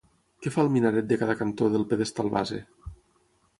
Què fa el minaret de cada cantó del pedestal base?